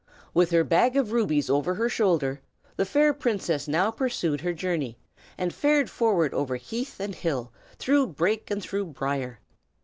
With her bag of rubies over her shoulder, the fair princess now pursued her journey, and fared forward over heath and hill, through brake and through brier.